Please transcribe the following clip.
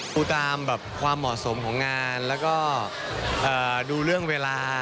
ดูตามแบบความเหมาะสมของงานแล้วก็ดูเรื่องเวลา